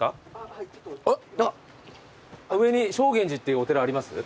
上に正眼寺っていうお寺あります？